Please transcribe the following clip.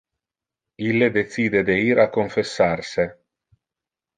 Ille decide de ir a confessar se.